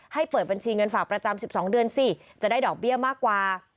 ให้เปิดบัญชีเงินฝากประจำ๑๒เดือนสิจะได้ดอกเบี้ยมากกว่า